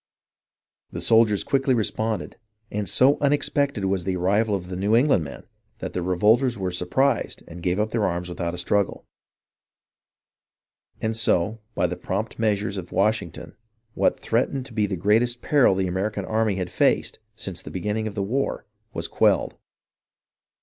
The soldiers quickly responded, and so unexpected was the arrival of the New England men that the revolters were surprised and gave up their arms without a struggle. Two of the leaders were condemned to be shot, and so by the prompt measures of Washington what threat ened to be the greatest peril the American army had faced since the beginning of the war was quelled.